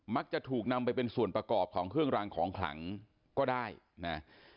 จะถูกนำไปเป็นส่วนประกอบของเครื่องรางของขลังก็ได้นะ